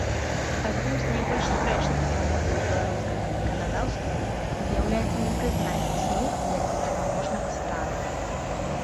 Адным з найбольш спрэчных момантаў беларускага заканадаўства з'яўляецца непрызнанне сну як бездапаможнага стану.